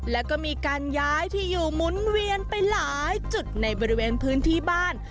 แล้วก็มีการย้ายที่อยู่หมุนเวียนไปหลายจุดในบริเวณพื้นที่บ้าน